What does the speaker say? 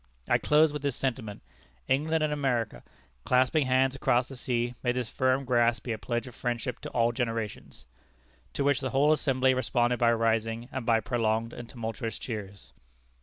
I close with this sentiment: ENGLAND AND AMERICA CLASPING HANDS ACROSS THE SEA, MAY THIS FIRM GRASP BE A PLEDGE OF FRIENDSHIP TO ALL GENERATIONS!" (To which the whole assembly responded by rising, and by prolonged and tumultuous cheers.)